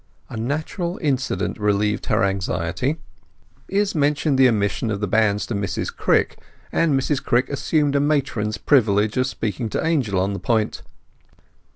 A natural incident relieved her anxiety. Izz mentioned the omission of the banns to Mrs Crick, and Mrs Crick assumed a matron's privilege of speaking to Angel on the point.